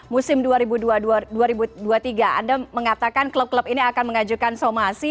musim dua ribu dua puluh tiga anda mengatakan klub klub ini akan mengajukan somasi